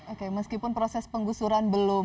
oke meskipun proses penggusuran belum